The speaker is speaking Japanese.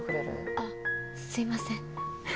あっすいません。